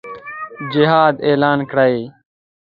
جهاد اعلان کړي.